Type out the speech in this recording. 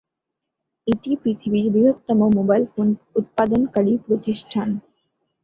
এটি পৃথিবীর বৃহত্তম মোবাইল ফোন উৎপাদনকারী প্রতিষ্ঠান।